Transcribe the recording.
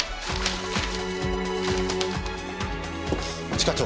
一課長。